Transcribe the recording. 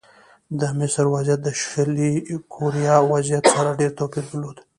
د مصر وضعیت د شلي کوریا وضعیت سره ډېر توپیر درلود.